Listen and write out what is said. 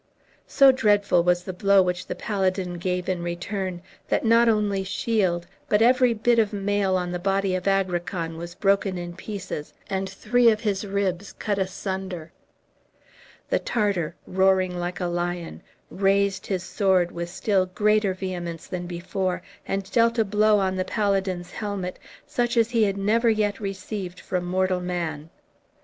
So dreadful was the blow which the paladin gave in return, that not only shield, but every bit of mail on the body of Agrican was broken in pieces, and three of his ribs cut asunder. The Tartar, roaring like a lion, raised his sword with still greater vehemence than before, and dealt a blow on the paladin's helmet, such as he had never yet received from mortal man.